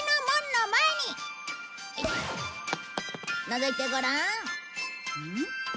のぞいてごらん。